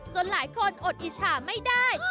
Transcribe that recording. หลายคนอดอิจฉาไม่ได้